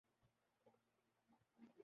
قرآنِ مجید میں یہ بات اس طرح بیان نہیں ہوئی